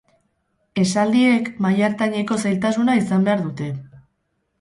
Esaldiek maila ertaineko zailtasuna izan behar dute.